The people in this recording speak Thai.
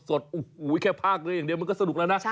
โอ้โหแค่ภาคเรืออย่างเดียวมันก็สนุกแล้วนะ